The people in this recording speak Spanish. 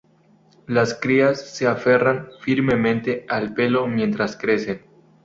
Las crías se aferran firmemente al pelo mientras crecen.